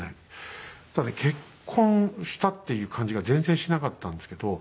だからね結婚したっていう感じが全然しなかったんですけど。